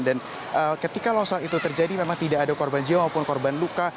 dan ketika longsoran itu terjadi memang tidak ada korban jiwa maupun korban luka